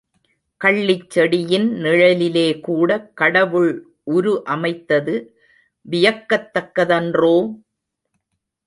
கள்ளிச் செடியின் நிழலிலேகூட கடவுள் உரு அமைத்தது வியக்கத்தக்க தன்றோ?